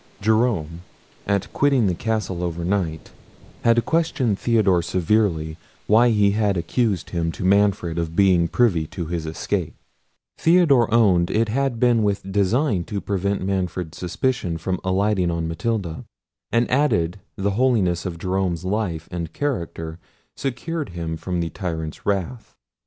Jerome, at quitting the castle overnight, had questioned Theodore severely why he had accused him to Manfred of being privy to his escape. Theodore owned it had been with design to prevent Manfred's suspicion from alighting on Matilda; and added, the holiness of Jerome's life and character secured him from the tyrant's wrath.